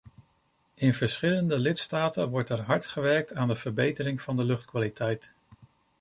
In verschillende lidstaten wordt er hard gewerkt aan de verbetering van de luchtkwaliteit.